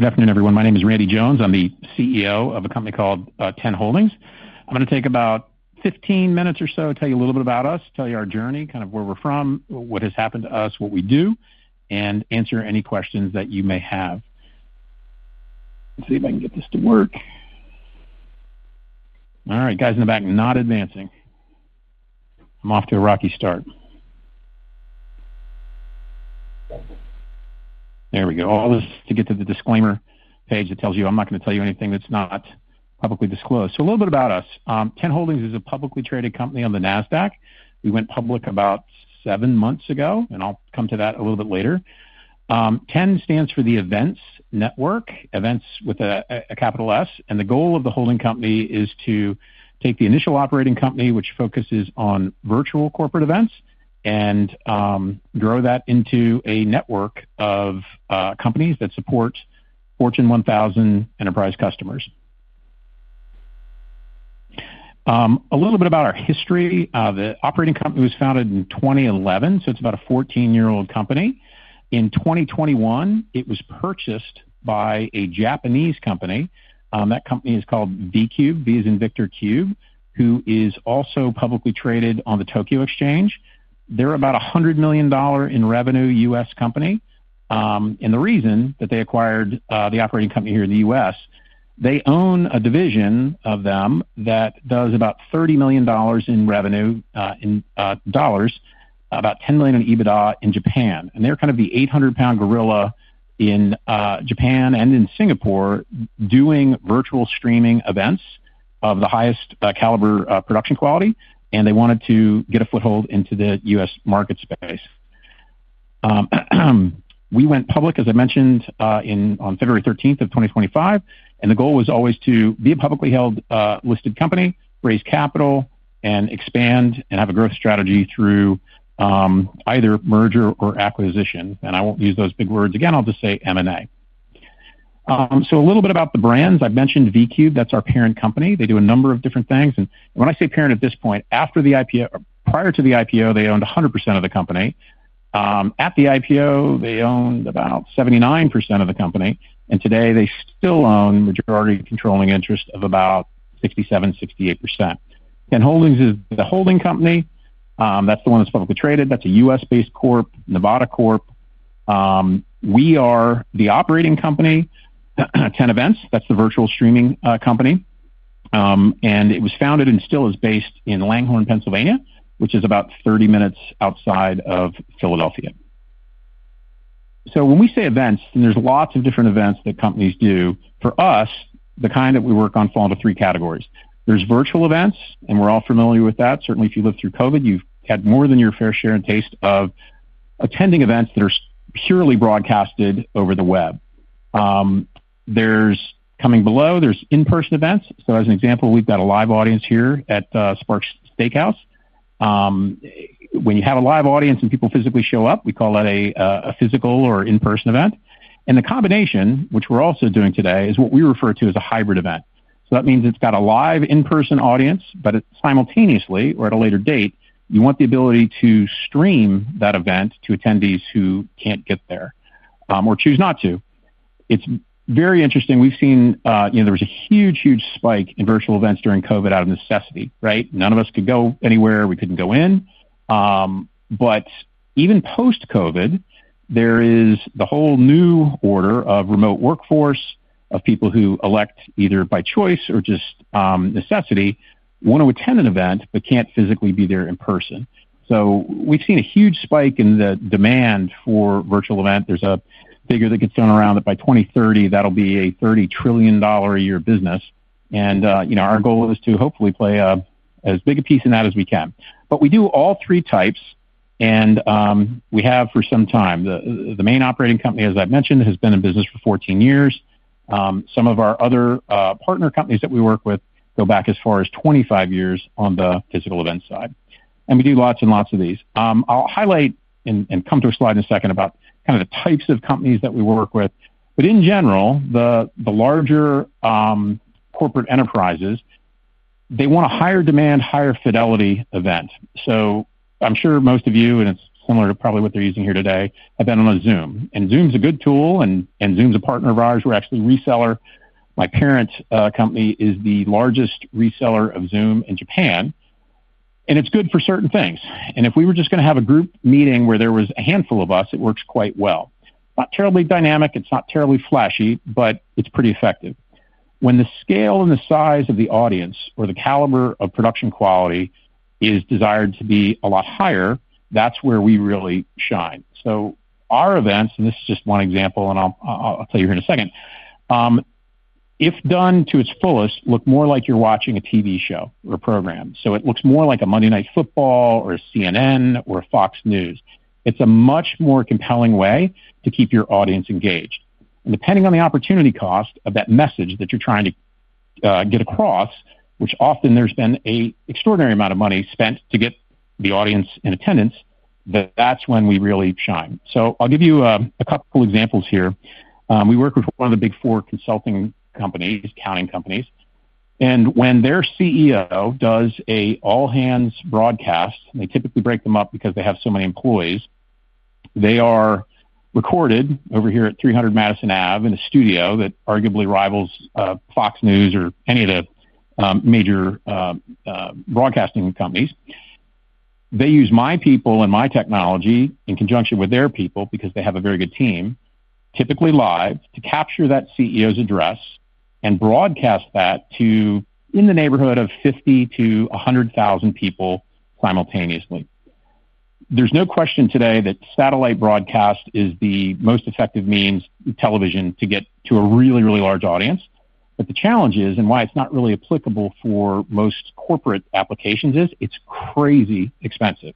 Good afternoon, everyone. My name is Randy Jones. I'm the CEO of a company called TEN Holdings. I'm going to take about 15 minutes or so, tell you a little bit about us, tell you our journey, kind of where we're from, what has happened to us, what we do, and answer any questions that you may have. Let's see if I can get this to work. All right, guys in the back, not advancing. I'm off to a rocky start. There we go. All this to get to the disclaimer page that tells you I'm not going to tell you anything that's not publicly disclosed. A little bit about us. TEN Holdings is a publicly traded company on the NASDAQ. We went public about seven months ago, and I'll come to that a little bit later. TEN stands for the Events Network, Events with a capital S. The goal of the holding company is to take the initial operating company, which focuses on virtual corporate events, and grow that into a network of companies that support Fortune 1000 enterprise customers. A little bit about our history. The operating company was founded in 2011. It's about a 14-year-old company. In 2021, it was purchased by a Japanese company. That company is called V-Cube Inc., V as in Victor, Cube, who is also publicly traded on the Tokyo Exchange. They're about a $100 million in revenue U.S. company. The reason that they acquired the operating company here in the U.S., they own a division of them that does about $30 million in revenue in dollars, about $10 million in EBITDA in Japan. They're kind of the 800-pound gorilla in Japan and in Singapore doing virtual streaming events of the highest caliber production quality. They wanted to get a foothold into the U.S. market space. We went public, as I mentioned, on February 13th of 2025. The goal was always to be a publicly held listed company, raise capital, and expand and have a growth strategy through either merger or acquisition. I won't use those big words again. I'll just say M&A. A little bit about the brands. I mentioned V-Cube Inc. That's our parent company. They do a number of different things. When I say parent at this point, after the IPO, prior to the IPO, they owned 100% of the company. At the IPO, they owned about 79% of the company. Today, they still own majority controlling interest of about 67%, 68%. TEN Holdings is the holding company. That's the one that's publicly traded. That's a U.S.-based corp, Nevada corp. We are the operating company, TEN Events. That's the virtual streaming company. It was founded and still is based in Langhorne, Pennsylvania, which is about 30 minutes outside of Philadelphia. When we say events, and there's lots of different events that companies do, for us, the kind that we work on fall into three categories. There's virtual events, and we're all familiar with that. Certainly, if you lived through COVID, you've had more than your fair share and taste of attending events that are purely broadcasted over the web. Coming below, there's in-person events. As an example, we've got a live audience here at Sparks Steakhouse. When you have a live audience and people physically show up, we call that a physical or in-person event. The combination, which we're also doing today, is what we refer to as a hybrid event. That means it's got a live in-person audience, but simultaneously, or at a later date, you want the ability to stream that event to attendees who can't get there or choose not to. It's very interesting. We've seen, you know, there was a huge, huge spike in virtual events during COVID out of necessity. None of us could go anywhere. We couldn't go in. Even post-COVID, there is the whole new order of remote workforce, of people who elect either by choice or just necessity want to attend an event but can't physically be there in person. We've seen a huge spike in the demand for virtual events. There's a figure that gets thrown around that by 2030, that'll be a $30 trillion a year business. Our goal is to hopefully play as big a piece in that as we can. We do all three types. We have for some time. The main operating company, as I mentioned, has been in business for 14 years. Some of our other partner companies that we work with go back as far as 25 years on the physical event side. We do lots and lots of these. I'll highlight and come to a slide in a second about kind of the types of companies that we work with. In general, the larger corporate enterprises, they want a higher demand, higher fidelity event. I'm sure most of you, and it's similar to probably what they're using here today, have been on a Zoom. Zoom's a good tool, and Zoom's a partner of ours. We're actually a reseller. My parents' company is the largest reseller of Zoom in Japan. It's good for certain things. If we were just going to have a group meeting where there was a handful of us, it works quite well. Not terribly dynamic. It's not terribly flashy, but it's pretty effective. When the scale and the size of the audience or the caliber of production quality is desired to be a lot higher, that's where we really shine. Our events, and this is just one example, and I'll tell you here in a second, if done to its fullest, look more like you're watching a TV show or a program. It looks more like a Monday Night Football or a CNN or a Fox News. It's a much more compelling way to keep your audience engaged. Depending on the opportunity cost of that message that you're trying to get across, which often there's been an extraordinary amount of money spent to get the audience in attendance, that's when we really shine. I'll give you a couple of examples here. We work with one of the Big Four consulting companies, accounting companies. When their CEO does an all-hands broadcast, they typically break them up because they have so many employees. They are recorded over here at 300 Madison Ave in a studio that arguably rivals Fox News or any of the major broadcasting companies. They use my people and my technology in conjunction with their people because they have a very good team, typically live, to capture that CEO's address and broadcast that to in the neighborhood of 50,000 to 100,000 people simultaneously. There's no question today that satellite broadcast is the most effective means of television to get to a really, really large audience. The challenge is, and why it's not really applicable for most corporate applications, is it's crazy expensive.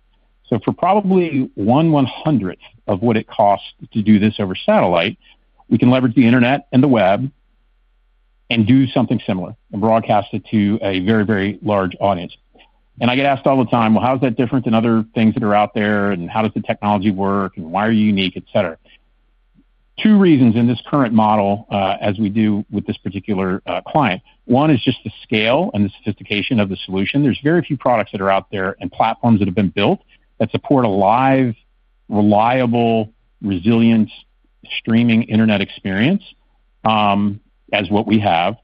For probably one one-hundredth of what it costs to do this over satellite, we can leverage the internet and the web and do something similar and broadcast it to a very, very large audience. I get asked all the time, how is that different than other things that are out there? How does the technology work? Why are you unique, et cetera? Two reasons in this current model, as we do with this particular client. One is just the scale and the sophistication of the solution. There's very few products that are out there and platforms that have been built that support a live, reliable, resilient streaming internet experience as what we have.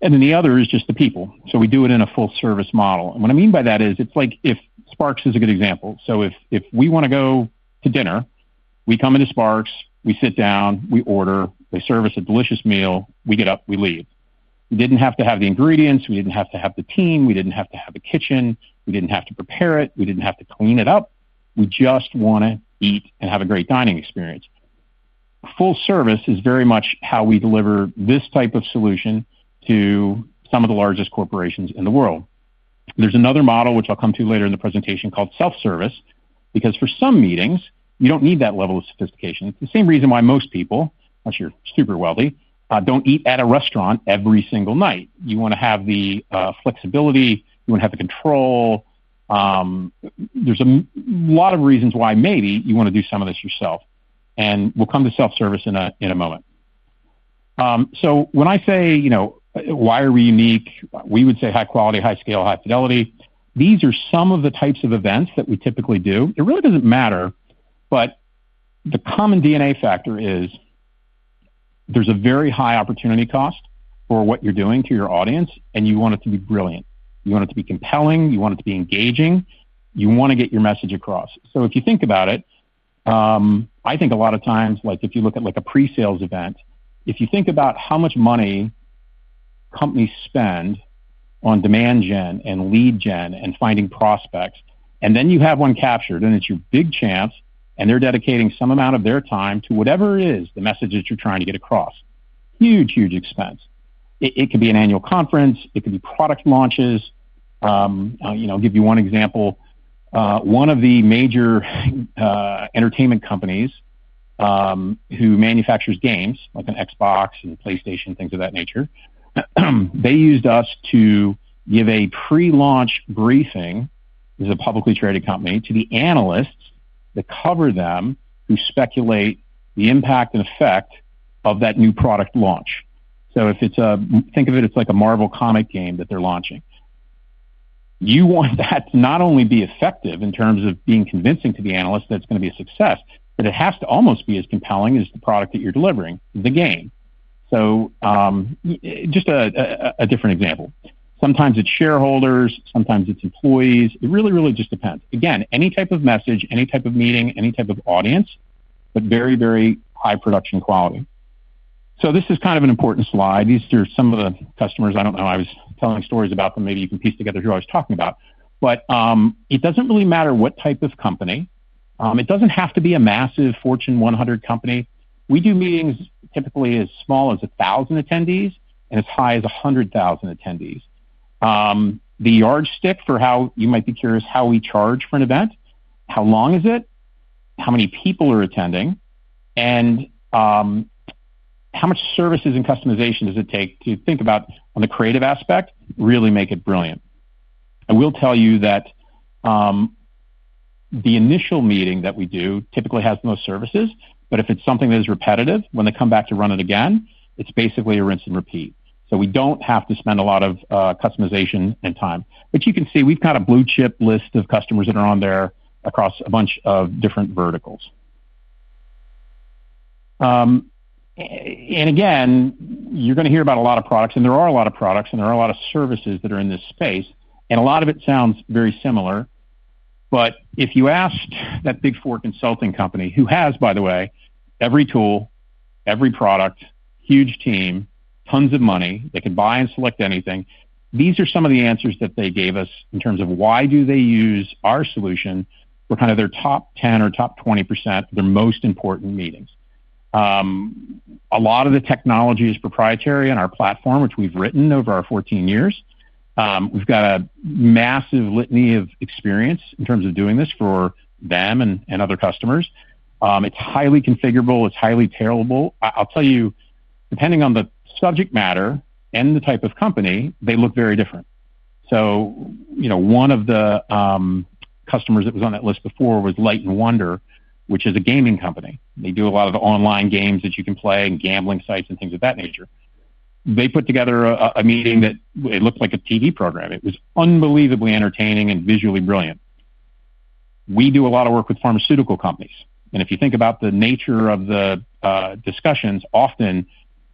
The other is just the people. We do it in a full-service model. What I mean by that is, it's like if Sparks is a good example. If we want to go to dinner, we come into Sparks, we sit down, we order, they service a delicious meal, we get up, we leave. We didn't have to have the ingredients. We didn't have to have the team. We didn't have to have a kitchen. We didn't have to prepare it. We didn't have to clean it up. We just want to eat and have a great dining experience. Full service is very much how we deliver this type of solution to some of the largest corporations in the world. There's another model, which I'll come to later in the presentation, called self-service because for some meetings, you don't need that level of sophistication. It's the same reason why most people, unless you're super wealthy, don't eat at a restaurant every single night. You want to have the flexibility. You want to have the control. There's a lot of reasons why maybe you want to do some of this yourself. We'll come to self-service in a moment. When I say, you know, why are we unique? We would say high quality, high scale, high fidelity. These are some of the types of events that we typically do. It really doesn't matter. The common DNA factor is there's a very high opportunity cost for what you're doing to your audience, and you want it to be brilliant. You want it to be compelling. You want it to be engaging. You want to get your message across. If you think about it, I think a lot of times, like if you look at like a pre-sales event, if you think about how much money companies spend on demand gen and lead gen and finding prospects, and then you have one captured, and it's your big chance, and they're dedicating some amount of their time to whatever it is, the message that you're trying to get across. Huge, huge expense. It could be an annual conference. It could be product launches. I'll give you one example. One of the major entertainment companies who manufactures games, like an Xbox and PlayStation, things of that nature, they used us to give a pre-launch briefing. This is a publicly traded company to the analysts that cover them who speculate the impact and effect of that new product launch. If it's a, think of it, it's like a Marvel comic game that they're launching. You want that to not only be effective in terms of being convincing to the analysts that it's going to be a success, but it has to almost be as compelling as the product that you're delivering, the game. Just a different example. Sometimes it's shareholders. Sometimes it's employees. It really, really just depends. Again, any type of message, any type of meeting, any type of audience, but very, very high production quality. This is kind of an important slide. These are some of the customers. I don't know. I was telling stories about them. Maybe you can piece together who I was talking about. It doesn't really matter what type of company. It doesn't have to be a massive Fortune 100 company. We do meetings typically as small as 1,000 attendees and as high as 100,000 attendees. The yardstick for how you might be curious how we charge for an event, how long is it, how many people are attending, and how much services and customization does it take to think about the creative aspect, really make it brilliant. I will tell you that the initial meeting that we do typically has the most services. If it's something that is repetitive, when they come back to run it again, it's basically a rinse and repeat. We don't have to spend a lot of customization and time. You can see we've got a blue chip list of customers that are on there across a bunch of different verticals. You're going to hear about a lot of products, and there are a lot of products, and there are a lot of services that are in this space. A lot of it sounds very similar. If you asked that Big Four consulting company, who has, by the way, every tool, every product, huge team, tons of money, they could buy and select anything. These are some of the answers that they gave us in terms of why do they use our solution for kind of their top 10 or top 20% of their most important meetings. A lot of the technology is proprietary in our platform, which we've written over our 14 years. We've got a massive litany of experience in terms of doing this for them and other customers. It's highly configurable. It's highly parallel. I'll tell you, depending on the subject matter and the type of company, they look very different. One of the customers that was on that list before was Light and Wonder, which is a gaming company. They do a lot of the online games that you can play and gambling sites and things of that nature. They put together a meeting that looked like a TV program. It was unbelievably entertaining and visually brilliant. We do a lot of work with pharmaceutical companies. If you think about the nature of the discussions, often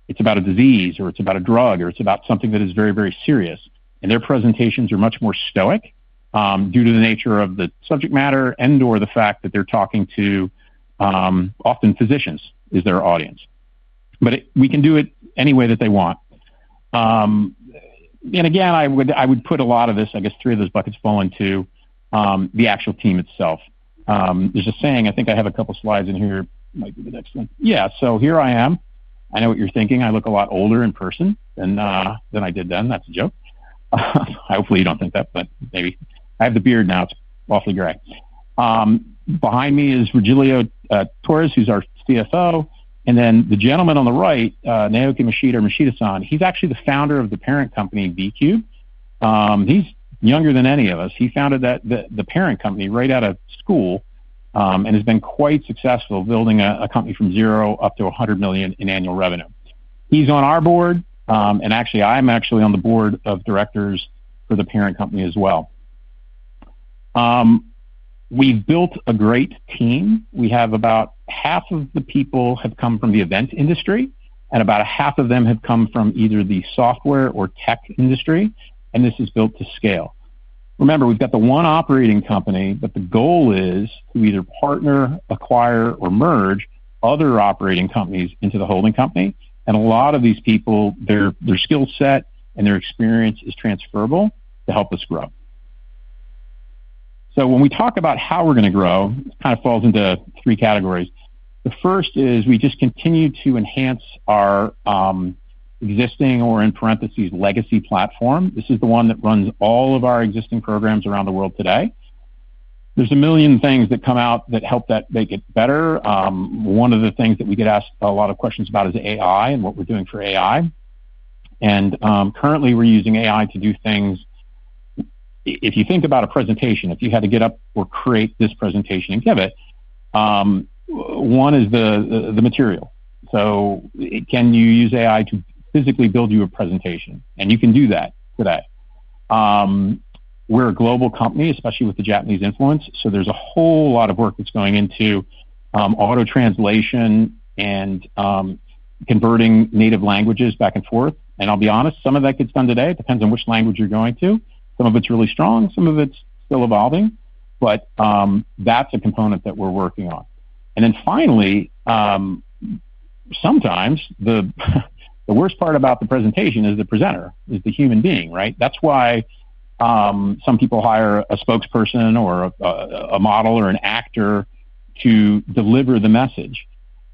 it's about a disease or it's about a drug or it's about something that is very, very serious. Their presentations are much more stoic due to the nature of the subject matter or the fact that they're talking to often physicians as their audience. We can do it any way that they want. I would put a lot of this, I guess three of those buckets fall into the actual team itself. There's a saying, I think I have a couple of slides in here. Might be the next one. Yeah. Here I am. I know what you're thinking. I look a lot older in person than I did then. That's a joke. Hopefully, you don't think that, but maybe. I have the beard now. It's awfully gray. Behind me is Regilio Torres, who's our CFO. The gentleman on the right, Naoki Mashida or Mashida-san, he's actually the founder of the parent company, V-Cube Inc. He's younger than any of us. He founded the parent company right out of school and has been quite successful building a company from zero up to $100 million in annual revenue. He's on our board. I'm actually on the board of directors for the parent company as well. We've built a great team. We have about half of the people who have come from the event industry, and about half of them have come from either the software or tech industry. This is built to scale. Remember, we've got the one operating company, but the goal is to either partner, acquire, or merge other operating companies into the holding company. A lot of these people, their skill set and their experience is transferable to help us grow. When we talk about how we're going to grow, it kind of falls into three categories. The first is we just continue to enhance our existing, or in parentheses, legacy platform. This is the one that runs all of our existing programs around the world today. There's a million things that come out that help make it better. One of the things that we get asked a lot of questions about is AI and what we're doing for AI. Currently, we're using AI to do things. If you think about a presentation, if you had to get up or create this presentation and give it, one is the material. Can you use AI to physically build you a presentation? You can do that today. We're a global company, especially with the Japanese influence. There's a whole lot of work that's going into auto-translation and converting native languages back and forth. I'll be honest, some of that gets done today. It depends on which language you're going to. Some of it's really strong. Some of it's still evolving. That's a component that we're working on. Finally, sometimes the worst part about the presentation is the presenter, is the human being, right? That's why some people hire a spokesperson or a model or an actor to deliver the message.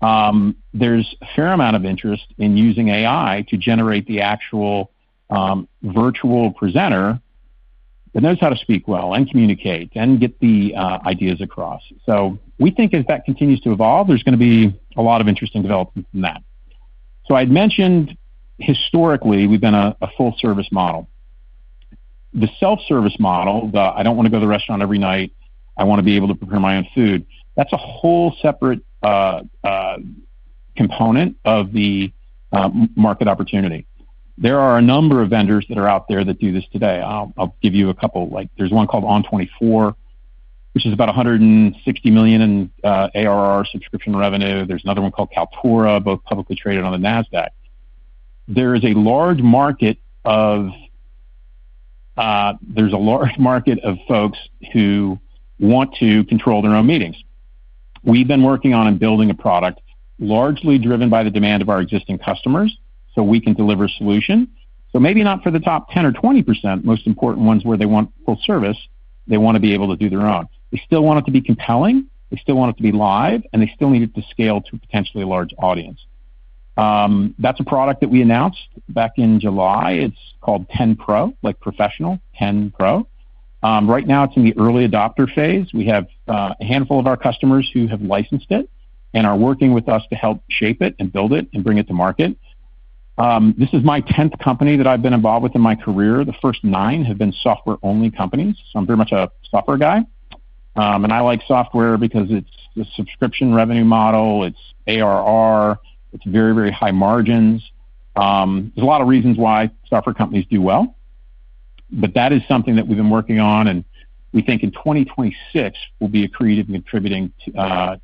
There's a fair amount of interest in using AI to generate the actual virtual presenter that knows how to speak well and communicate and get the ideas across. We think as that continues to evolve, there's going to be a lot of interesting development in that. I'd mentioned historically, we've been a full-service model. The self-service model, the I don't want to go to the restaurant every night, I want to be able to prepare my own food, that's a whole separate component of the market opportunity. There are a number of vendors that are out there that do this today. I'll give you a couple. Like, there's one called On24, which is about $160 million in ARR subscription revenue. There's another one called Kaltura, both publicly traded on the NASDAQ. There is a large market of folks who want to control their own meetings. We've been working on and building a product largely driven by the demand of our existing customers so we can deliver a solution. Maybe not for the top 10% or 20%, most important ones where they want full service, they want to be able to do their own. They still want it to be compelling. They still want it to be live. They still need it to scale to a potentially large audience. That's a product that we announced back in July. It's called TEN Pro, like professional, TEN Pro. Right now, it's in the early adopter phase. We have a handful of our customers who have licensed it and are working with us to help shape it and build it and bring it to market. This is my 10th company that I've been involved with in my career. The first nine have been software-only companies. I'm pretty much a software guy. I like software because it's the subscription revenue model. It's ARR. It's very, very high margins. There's a lot of reasons why software companies do well. That is something that we've been working on. We think in 2026, we'll be creative and contributing to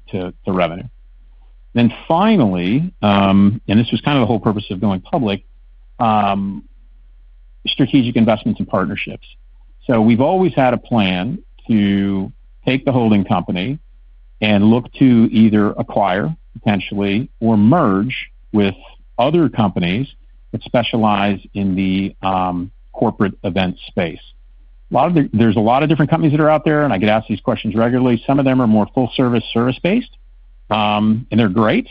the revenue. Finally, and this was kind of the whole purpose of going public, strategic investments and partnerships. We've always had a plan to take the holding company and look to either acquire potentially or merge with other companies that specialize in the corporate event space. There's a lot of different companies that are out there. I get asked these questions regularly. Some of them are more full-service, service-based, and they're great.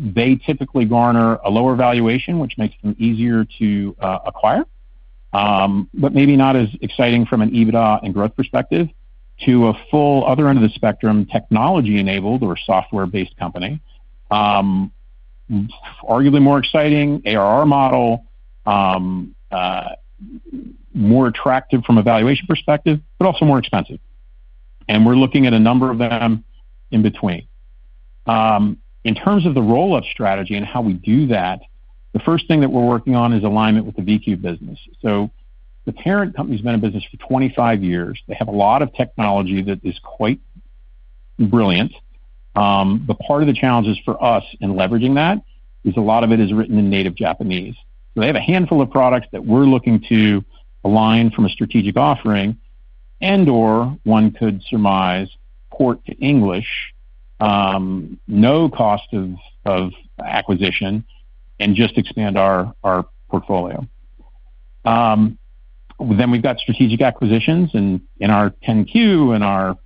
They typically garner a lower valuation, which makes them easier to acquire, but maybe not as exciting from an EBITDA and growth perspective to a full other end of the spectrum, technology-enabled or software-based company. Arguably more exciting, ARR model, more attractive from a valuation perspective, but also more expensive. We're looking at a number of them in between. In terms of the role of strategy and how we do that, the first thing that we're working on is alignment with the V-Cube Inc. business. The parent company's been in business for 25 years. They have a lot of technology that is quite brilliant. Part of the challenges for us in leveraging that is a lot of it is written in native Japanese. They have a handful of products that we're looking to align from a strategic offering and/or one could surmise, port to English, no cost of acquisition, and just expand our portfolio. We've got strategic acquisitions in our 10-Q and our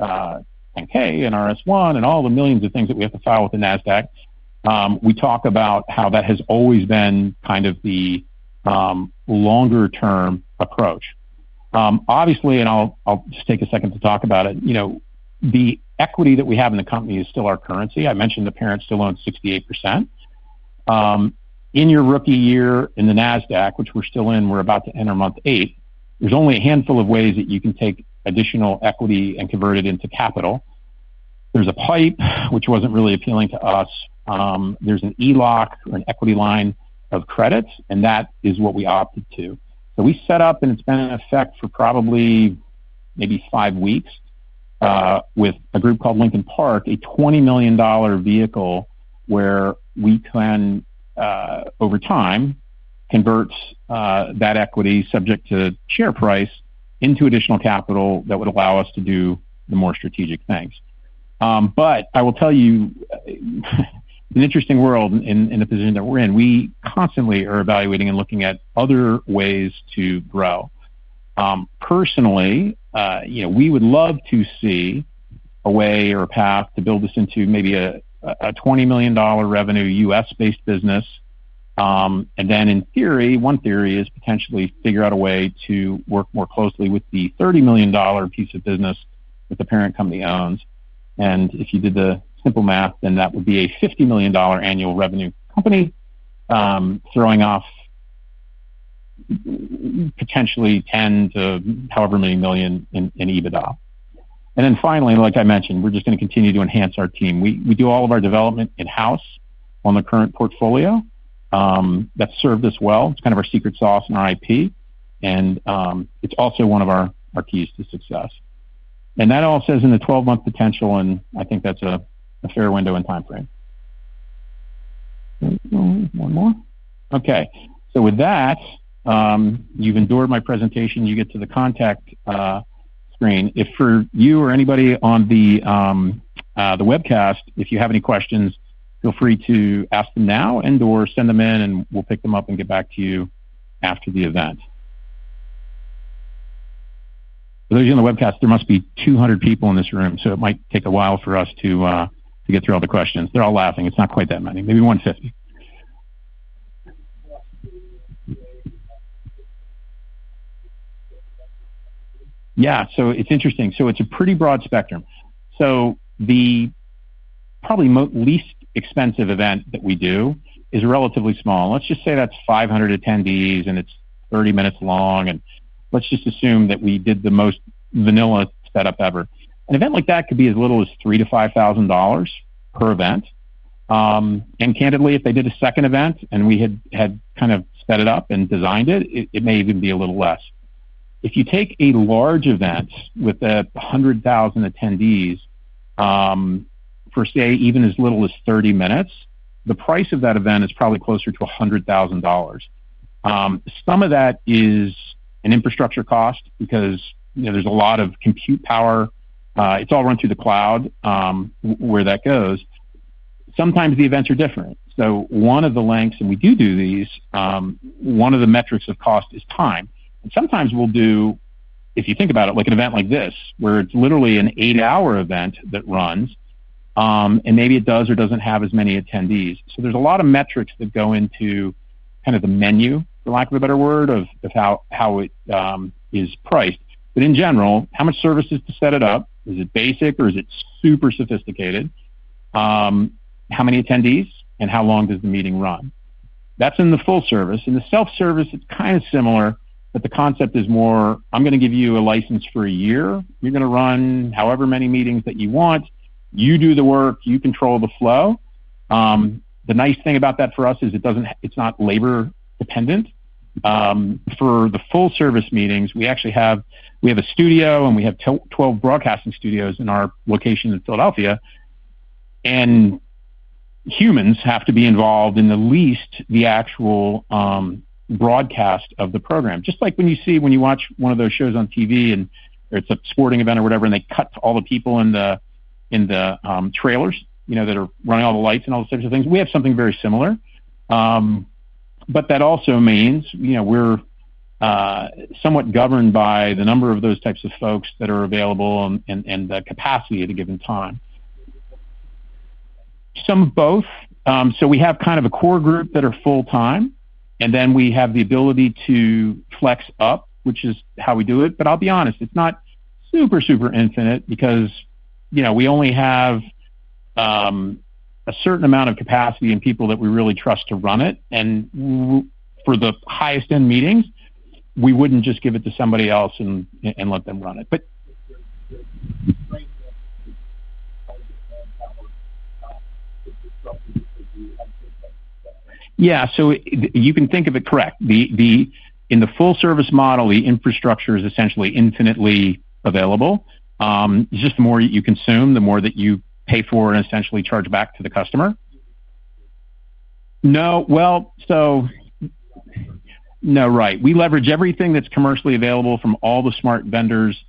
10-K and our S-1 and all the millions of things that we have to file with the NASDAQ. We talk about how that has always been kind of the longer-term approach. Obviously, I'll just take a second to talk about it, the equity that we have in the company is still our currency. I mentioned the parent still owns 68%. In your rookie year in the NASDAQ, which we're still in, we're about to enter month eight, there's only a handful of ways that you can take additional equity and convert it into capital. There's a PIPE, which wasn't really appealing to us. There's an ELOC or an equity line of credit, and that is what we opted to. We set up, and it's been in effect for probably maybe five weeks with a group called Lincoln Park, a $20 million vehicle where we can, over time, convert that equity subject to share price into additional capital that would allow us to do the more strategic things. I will tell you, it's an interesting world in the position that we're in. We constantly are evaluating and looking at other ways to grow. Personally, we would love to see a way or a path to build this into maybe a $20 million revenue U.S.-based business. In theory, one theory is potentially figure out a way to work more closely with the $30 million piece of business that the parent company owns. If you did the simple math, that would be a $50 million annual revenue company throwing off potentially $10 million to however many million in EBITDA. Finally, like I mentioned, we're just going to continue to enhance our team. We do all of our development in-house on the current portfolio that's served us well. It's kind of our secret sauce and our IP, and it's also one of our keys to success. That all says in the 12-month potential, and I think that's a fair window and time frame. One more. Okay. With that, you've endured my presentation. You get to the contact screen. If you or anybody on the webcast have any questions, feel free to ask them now and/or send them in, and we'll pick them up and get back to you after the event. For those of you on the webcast, there must be 200 people in this room. It might take a while for us to get through all the questions. They're all laughing. It's not quite that many. Maybe 150. It's interesting. It's a pretty broad spectrum. The probably least expensive event that we do is relatively small. Let's just say that's 500 attendees and it's 30 minutes long. Let's just assume that we did the most vanilla setup ever. An event like that could be as little as $3,000 to $5,000 per event. Candidly, if they did a second event and we had kind of set it up and designed it, it may even be a little less. If you take a large event with 100,000 attendees for, say, even as little as 30 minutes, the price of that event is probably closer to $100,000. Some of that is an infrastructure cost because there's a lot of compute power. It's all run through the cloud where that goes. Sometimes the events are different. One of the lengths, and we do do these, one of the metrics of cost is time. Sometimes we'll do, if you think about it, like an event like this where it's literally an eight-hour event that runs, and maybe it does or doesn't have as many attendees. There are a lot of metrics that go into kind of the menu, for lack of a better word, of how it is priced. In general, how much service is to set it up? Is it basic or is it super sophisticated? How many attendees and how long does the meeting run? That's in the full service. In the self-service, it's kind of similar, but the concept is more, I'm going to give you a license for a year. You're going to run however many meetings that you want. You do the work. You control the flow. The nice thing about that for us is it's not labor dependent. For the full service meetings, we actually have a studio and we have 12 broadcasting studios in our location in Philadelphia. Humans have to be involved in at least the actual broadcast of the program. Just like when you see, when you watch one of those shows on TV and it's a sporting event or whatever, and they cut to all the people in the trailers that are running all the lights and all those types of things. We have something very similar. That also means we're somewhat governed by the number of those types of folks that are available and the capacity at a given time. Some of both. We have kind of a core group that are full-time, and then we have the ability to flex up, which is how we do it. I'll be honest, it's not super, super infinite because we only have a certain amount of capacity and people that we really trust to run it. For the highest end meetings, we wouldn't just give it to somebody else and let them run it. You can think of it correct. In the full-service model, the infrastructure is essentially infinitely available. It's just the more you consume, the more that you pay for and essentially charge back to the customer. No, right. We leverage everything that's commercially available from all the smart vendors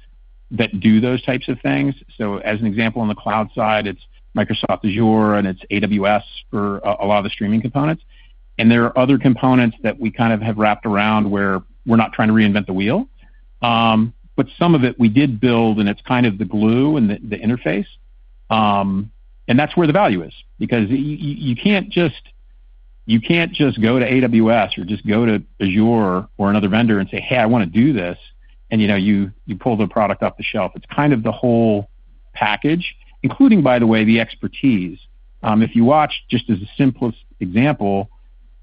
that do those types of things. As an example, on the cloud side, it's Microsoft Azure and it's AWS for a lot of the streaming components. There are other components that we kind of have wrapped around where we're not trying to reinvent the wheel. Some of it we did build and it's kind of the glue and the interface. That's where the value is because you can't just go to AWS or just go to Azure or another vendor and say, "Hey, I want to do this." You pull the product off the shelf. It's kind of the whole package, including, by the way, the expertise. If you watch just as a simplest example,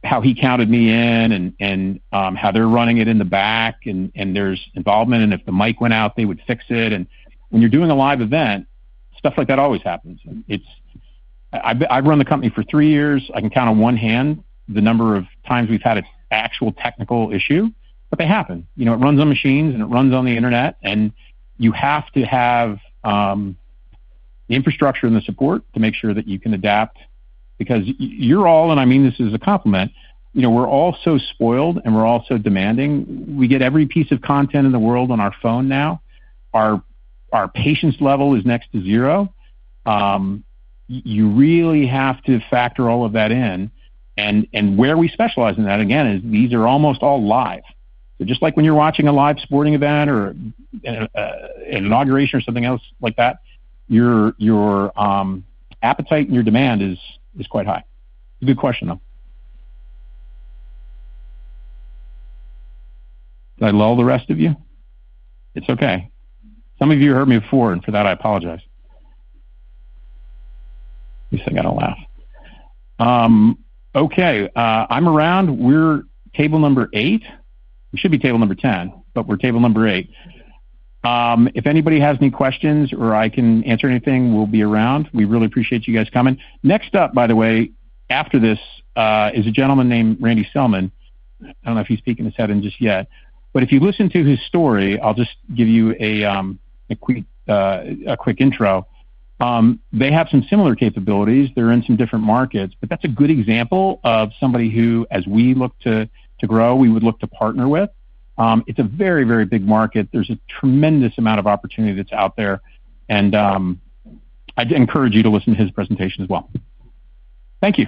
how he counted me in and how they're running it in the back and there's involvement and if the mic went out, they would fix it. When you're doing a live event, stuff like that always happens. I've run the company for three years. I can count on one hand the number of times we've had an actual technical issue, but they happen. It runs on machines and it runs on the internet. You have to have the infrastructure and the support to make sure that you can adapt because you're all, and I mean this as a compliment, we're all so spoiled and we're all so demanding. We get every piece of content in the world on our phone now. Our patience level is next to zero. You really have to factor all of that in. Where we specialize in that, again, is these are almost all live. They're just like when you're watching a live sporting event or an inauguration or something else like that. Your appetite and your demand is quite high. Good question, though. Did I lull the rest of you? It's okay. Some of you heard me before, and for that, I apologize. At least I got a laugh. Okay. I'm around. We're table number eight. We should be table number 10, but we're table number eight. If anybody has any questions or I can answer anything, we'll be around. We really appreciate you guys coming. Next up, by the way, after this is a gentleman named Randy Jones. I don't know if he's peeking his head in just yet. If you listen to his story, I'll just give you a quick intro. They have some similar capabilities. They're in some different markets. That's a good example of somebody who, as we look to grow, we would look to partner with. It's a very, very big market. There's a tremendous amount of opportunity that's out there. I'd encourage you to listen to his presentation as well. Thank you.